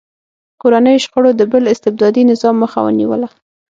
کورنیو شخړو د بل استبدادي نظام مخه ونیوله.